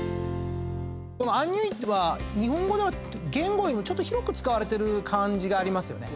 この「アンニュイ」は日本語では原語より広く使われてる感じがありますよね。